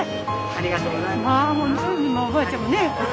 ありがとうございます。